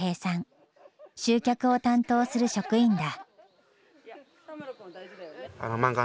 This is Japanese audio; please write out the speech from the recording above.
集客を担当する職員だ。